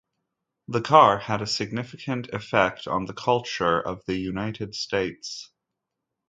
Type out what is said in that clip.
The car had a significant effect on the culture of the United States.